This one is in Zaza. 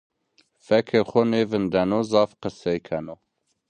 Fekê xo nêvındeno, zaf qesey keno.